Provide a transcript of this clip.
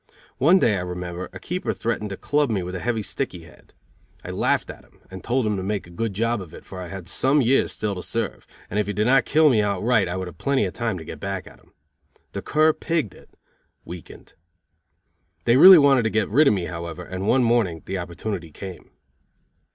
One day, I remember, a keeper threatened to club me with a heavy stick he had. I laughed at him and told him to make a good job of it, for I had some years still to serve, and if he did not kill me outright, I would have plenty of time to get back at him. The cur pigged it (weakened). They really wanted to get rid of me, however, and one morning the opportunity came.